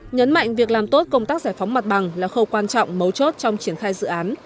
nhấn mạnh việc làm tốt công tác giải phóng mặt bằng là khâu quan trọng mấu chốt trong triển khai dự án